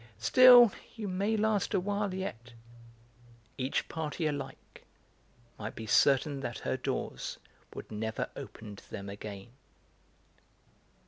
Still, you may last a while yet"; each party alike might be certain that her doors would never open to them again.